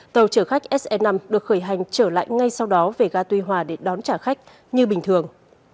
tàu chở khách se năm được khởi hành trở lại ngay sau đó về ga tuy hòa để đón trả khách như bình thường